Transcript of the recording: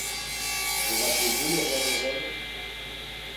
Vous rappelez-vous le roi de Rome?